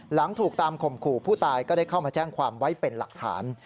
หลังถูกตามข่มขู่ผู้ตายก็ได้เข้ามาแจ้งความไว้เป็นหลักฐาน